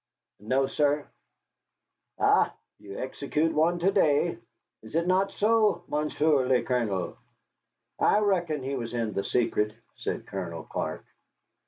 "No, sir." "Ha! You execute one to day. Is it not so, Monsieur le Colonel?" "I reckon he was in the secret," said Colonel Clark.